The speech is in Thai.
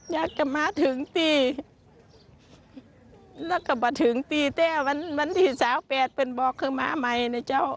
และก็ปะตึกติด้านวันนี้สาว๗เป็นปลอดคำมาใหม่นะเจ้า